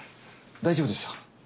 大丈夫ですよ。